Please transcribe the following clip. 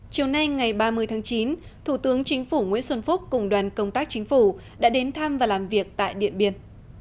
chiều nay ngày ba mươi tháng chín thủ tướng chính phủ nguyễn xuân phúc cùng đoàn công tác chính phủ đã đến thăm và làm việc tại điện biên